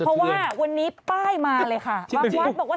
เพราะว่าวันนี้ป้ายมาเลยค่ะบางวัดบอกว่า